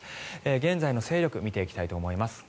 現在の勢力見ていきたいと思います。